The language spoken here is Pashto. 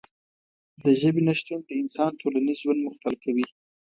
د ژبې نشتون د انسان ټولنیز ژوند مختل کوي.